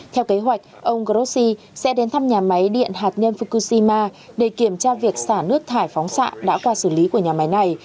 theo kế hoạch ông grossi sẽ đến thăm nhà máy điện hạt nhân fukushima để kiểm tra việc xả nước thải phóng xạ đã qua xử lý của nhà máy này